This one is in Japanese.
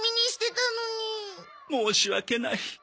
申し訳ない。